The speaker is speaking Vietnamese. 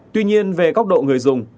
tuy nhiên về góc độ người dùng